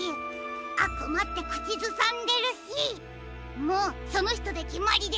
「あくま」ってくちずさんでるしもうそのひとできまりですね！